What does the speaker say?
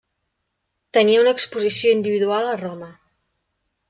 Tenia una exposició individual a Roma.